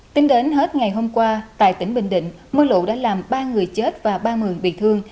tính đến hết ngày hôm qua tại tỉnh bình định mưa lũ đã làm ba người chết và ba người bị thương